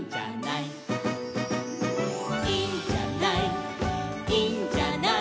「いいんじゃないいいんじゃない」